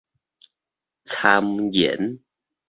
讒言